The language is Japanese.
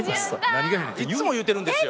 いつも言うてるんですよ。